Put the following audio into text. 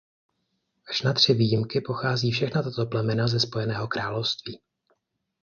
Až na tři výjimky pochází všechna tato plemena ze Spojeného království.